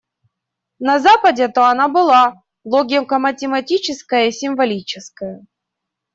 На Западе-то она была: логика математическая и символическая.